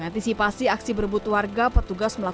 kan di sini lumayan gitu loh ada mendingan ya